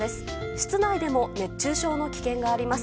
室内でも熱中症の危険があります。